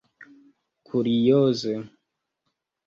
kurioze